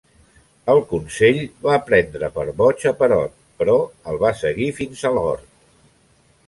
El Consell va prendre per boig a Perot, però el va seguir fins a l'hort.